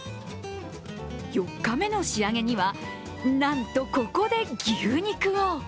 ４日目の仕上げには、なんとここで牛肉を。